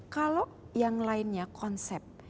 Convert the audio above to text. kalau yang lainnya konsep